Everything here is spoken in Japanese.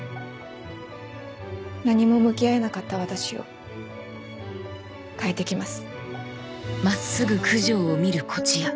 何も向き合えなかった私を変えてきます。